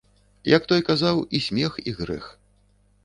Як той казаў, і смех і грэх.